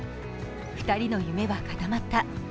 ２人の夢は固まった。